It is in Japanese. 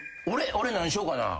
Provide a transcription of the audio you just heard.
俺何しよっかな。